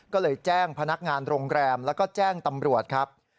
ก็เลยแจ้งพนักงานโรงแรมแล้วก็แจ้งตำรวจครับ